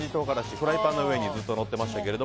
フライパンの上にずっとのっていましたが。